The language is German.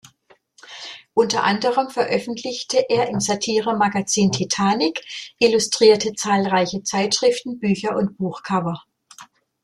Unter anderem veröffentlichte er im Satiremagazin Titanic, illustrierte zahlreiche Zeitschriften, Bücher und Buchcover.